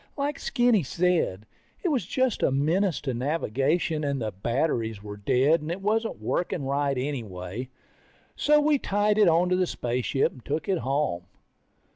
Like Skinny said, it was just a menace to navigation, and the batteries were dead, and it wasn't working right anyway. So we tied it onto the spaceship and took it home.